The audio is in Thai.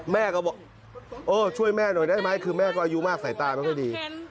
แม่ก็บอกเออช่วยแม่หน่อยได้ไหมคือแม่ก็อายุมากสายตาไม่ค่อยดี